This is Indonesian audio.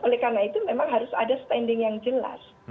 oleh karena itu memang harus ada standing yang jelas